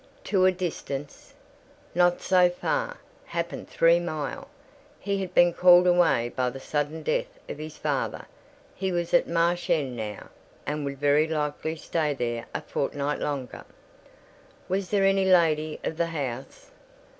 "To a distance?" "Not so far—happen three mile. He had been called away by the sudden death of his father: he was at Marsh End now, and would very likely stay there a fortnight longer." "Was there any lady of the house?"